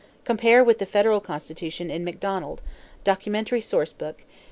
= Compare with the federal Constitution in Macdonald, Documentary Source Book, pp.